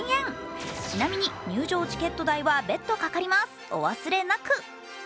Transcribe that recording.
ちなみに入場チケット代は別途かかります、お忘れなく。